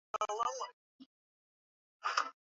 malawi walitoa vibali vya upelelezi wa gesi na mafuta